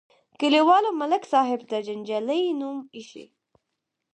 کلیوالو ملک صاحب ته جنجالي نوم ایښی.